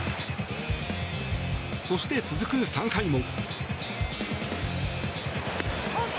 そして、続く３回も。